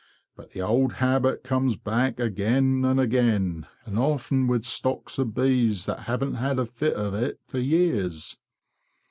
But the old habit comes back again and again, and often with stocks of bees that haven't had a fit o' it for years.